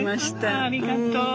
ああありがとう。